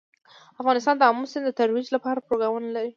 افغانستان د آمو سیند د ترویج لپاره پروګرامونه لري.